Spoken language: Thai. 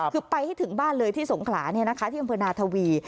คือไปให้ถึงบ้านเลยที่สงขลาที่อำเภอนาทวี